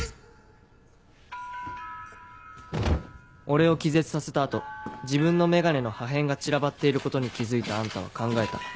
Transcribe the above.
俺を気絶させた後自分の眼鏡の破片が散らばっていることに気付いたあんたは考えた。